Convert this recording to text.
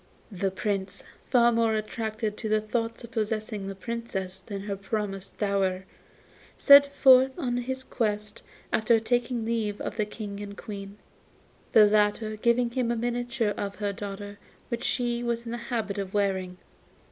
The Prince, far more attracted by the thoughts of possessing the Princess than her promised dower, set forth in his quest after taking leave of the King and Queen, the latter giving him a miniature of her daughter which she was in the habit of wearing.